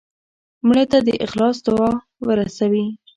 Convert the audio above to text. مړه ته د اخلاص دعا ورسوې